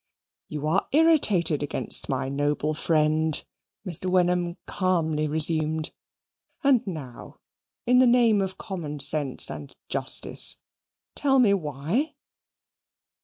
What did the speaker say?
"You are irritated against my noble friend," Mr. Wenham calmly resumed; "and now, in the name of common sense and justice, tell me why?"